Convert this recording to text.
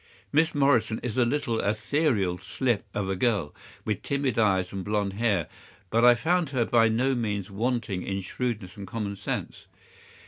"Miss Morrison is a little, ethereal slip of a girl, with timid eyes and blonde hair, but I found her by no means wanting in shrewdness and common sense.